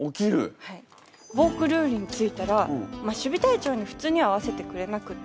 ヴォークルールに着いたら守備隊長に普通には会わせてくれなくって。